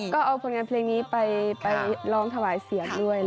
ก็เอาผลงานเพลงนี้ไปร้องถวายเสียงด้วย